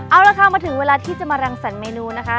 เอาละค่ะมาถึงเวลาที่จะมารังสรรคเมนูนะคะ